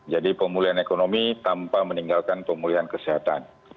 jadi pemulihan ekonomi tanpa meninggalkan pemulihan kesehatan